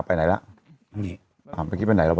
ไปไหนล่ะไปไปที่นี่ไปไหนรั้ววะ